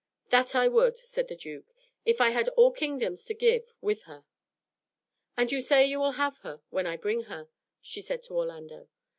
"That I would," said the duke, "if I had all kingdoms to give with her." "And you say you will have her when I bring her?" she said to Orlando.